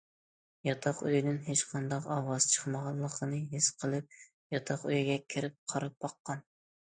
ياتاق ئۆيدىن ھېچقانداق ئاۋاز چىقمىغانلىقىنى ھېس قىلىپ، ياتاق ئۆيگە كىرىپ قاراپ باققان.